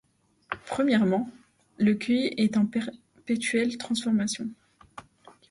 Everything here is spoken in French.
Premièrement, le qi est en perpétuelle transformation.